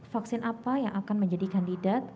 vaksin apa yang akan menjadi kandidat